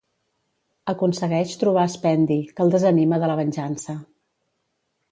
Aconsegueix trobar Spendi, que el desanima de la venjança.